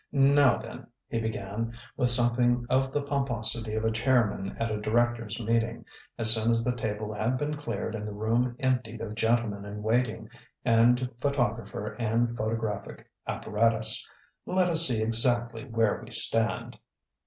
"Now then," he began, with something of the pomposity of a chairman at a directors' meeting, as soon as the table had been cleared and the room emptied of gentlemen in waiting and photographer and photographic apparatus, "let us see exactly where we stand."